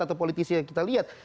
atau politisi yang kita lihat